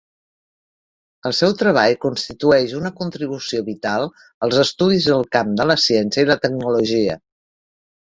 El seu treball constitueix una contribució vital als estudis del camp de la ciència i la tecnologia.